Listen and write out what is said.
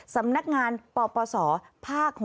สำนักงานปปศภาค๖